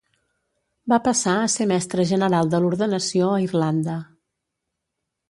Va passar a ser mestre general de l'Ordenació a Irlanda.